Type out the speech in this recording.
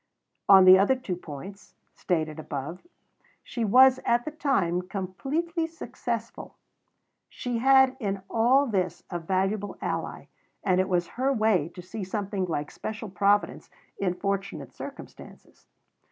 On the other two points, stated above, she was at the time completely successful. She had in all this a valuable ally; and it was her way to see something like special providence in fortunate circumstances.